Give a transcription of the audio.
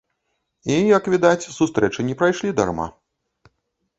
І, як відаць, сустрэчы не прайшлі дарма.